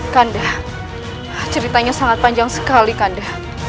kanda ceritanya sangat panjang sekali kandah